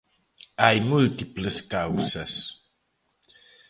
Hai múltiples causas.